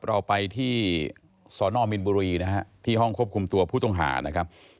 เราไปที่สนมินบุรีนะฮะที่ห้องควบคุมตัวผู้ต้องหานะครับ